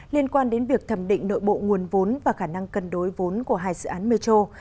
liên quan đến việc thẩm định nội bộ nguồn vốn và khả năng cân đối vốn của hai dự án metro